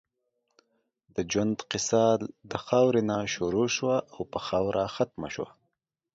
د ژؤند قیصه د خاؤرې نه شروع شوه او پۀ خاؤره ختمه شوه